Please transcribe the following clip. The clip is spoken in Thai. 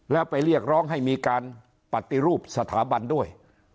แล้วไปเรียกร้องให้มีการปฏิรูปสถาบันด้วย